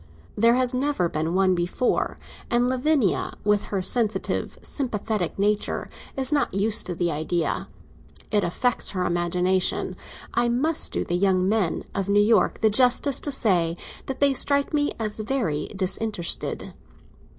There has never been one before, and Lavinia, with her sensitive, sympathetic nature, is not used to the idea. It affects her imagination. I must do the young men of New York the justice to say that they strike me as very disinterested.